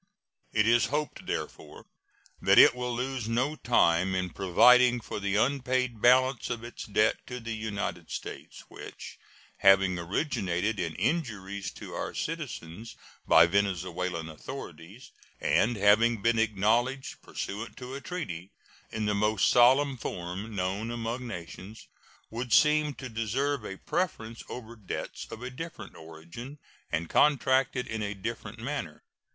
It is hoped, therefore, that it will lose no time in providing for the unpaid balance of its debt to the United States, which, having originated in injuries to our citizens by Venezuelan authorities, and having been acknowledged, pursuant to a treaty, in the most solemn form known among nations, would seem to deserve a preference over debts of a different origin and contracted in a different manner.